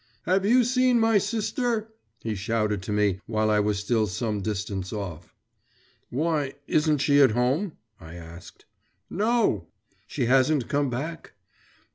'Have you seen my sister?' he shouted to me while I was still some distance off. 'Why, isn't she at home?' I asked. 'No.' 'She hasn't come back?